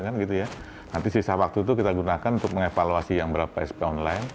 nanti sisa waktu itu kita gunakan untuk mengevaluasi yang berapa sp online